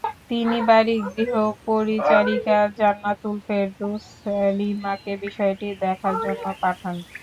তিনি বাড়ির গৃহ পরিচারিকা জান্নাতুল ফেরদৌস লিমাকে বিষয়টি দেখার জন্য পাঠান।